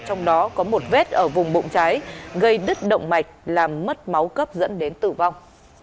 trong đó có một vết ở vùng bụng trái gây đứt động mạch làm mất máu cấp dẫn đến tử vong